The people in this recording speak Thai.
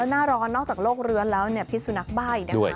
แล้วหน้าร้อนนอกจากโลกเรื้อแล้วพี่สุนัขใบ้ด้วย